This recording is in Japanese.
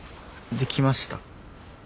できました。